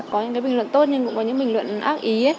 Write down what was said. có những cái bình luận tốt nhưng cũng có những bình luận ác ý